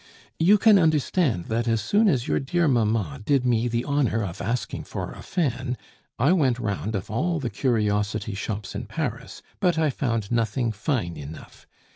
"You can understand that as soon as your dear mamma did me the honor of asking for a fan, I went round of all the curiosity shops in Paris, but I found nothing fine enough.